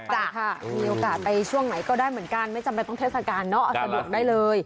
จ้ะค่ะมีโอกาสไปช่วงไหนก็ได้เหมือนกันไม่จำเป็นต้องเทศกาลเนอะเอาสะดวกได้เลย